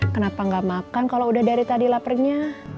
kenapa gak makan kalo udah dari tadi laparnya